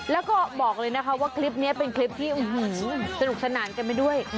แล้วก็บอกเลยนะคะว่าคลิปนี้เป็นคลิปที่สนุกสนานกันไปด้วย